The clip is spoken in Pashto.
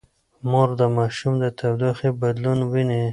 مور د ماشوم د تودوخې بدلون ويني.